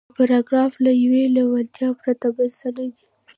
دا پاراګراف له يوې لېوالتیا پرته بل څه نه دی.